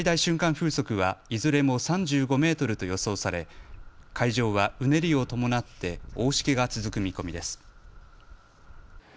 風速はいずれも３５メートルと予想され、海上はうねりを伴って大しけが続く見込みです。